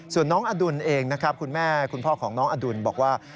ส่วนน้องอดุลเองนะครับคุณแม่คุณพ่อของน้องอดุลบอกว่า